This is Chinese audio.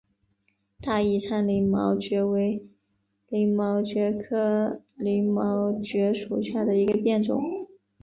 大宜昌鳞毛蕨为鳞毛蕨科鳞毛蕨属下的一个变种。